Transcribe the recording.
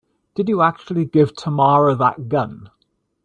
Did you actually give Tamara that gun?